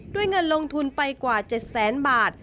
ด้วยเงินลงทุนไปกว่า๗๐๐บาท